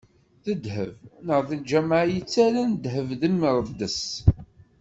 D ddheb, neɣ d lǧameɛ yettarran ddheb d imreddes?